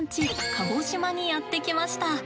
鹿児島にやって来ました。